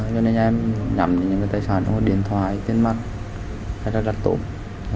cho nên em nhậm những tài sản trong điện thoại tiền mặt thẻ trái đặt tổ